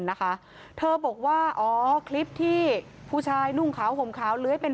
นะคะเธอบอกว่าอ๋อคลิปที่ผู้ชายนุ่งขาวห่มขาวเลื้อยเป็น